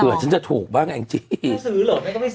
ฉันจะถูกบ้างแองจี้ซื้อเหรอแม่ก็ไม่ซื้อ